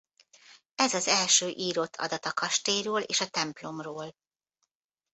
Ez az első írott adat a kastélyról és a templomról.